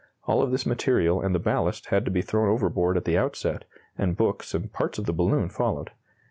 All of this material and the ballast had to be thrown overboard at the outset, and books and parts of the balloon followed.